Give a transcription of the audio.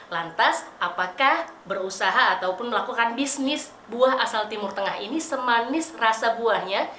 lantas apakah berusaha ataupun melakukan bisnis buah asal timur tengah ini semanis rasa buahnya